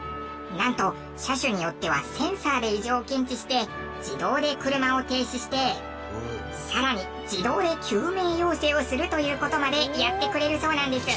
なんと車種によってはセンサーで異常を検知して自動で車を停止して更に自動で救命要請をするという事までやってくれるそうなんです。